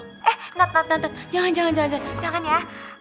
eh nat nat nat jangan jangan jangan jangan ya